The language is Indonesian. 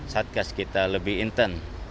satgas kita lebih intern